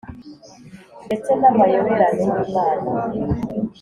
ndetse n'amayoberane y'Imana.